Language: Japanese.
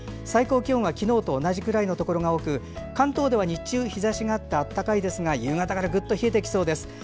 最高気温は昨日と同じくらいのところが多く関東では日中日ざしがあって暖かいですが夕方からはぐっと冷えてきそうです。